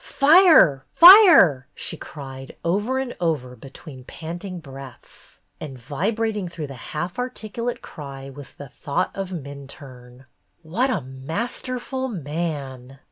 "Fire! Fire!" she cried, over and over, between panting breaths ; and vibrating through the half articulate cry was the thought of Minturne. What a masterful man